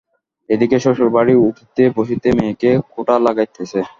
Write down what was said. এ দিকে শ্বশুরবাড়ি উঠিতে বসিতে মেয়েকে খোঁটা লাগাইতেছে।